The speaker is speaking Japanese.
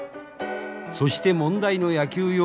そして問題の野球用具一式は。